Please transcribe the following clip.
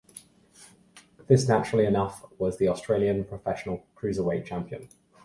This naturally enough was the Australian professional cruiserweight champion.